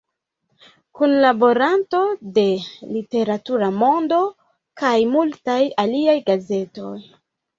Kunlaboranto de "Literatura Mondo" kaj multaj aliaj gazetoj.